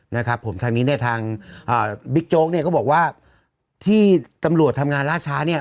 นะครับผมทางนี้เนี่ยทางอ่าบิ๊กโจ๊กเนี่ยก็บอกว่าที่ตำรวจทำงานล่าช้าเนี่ย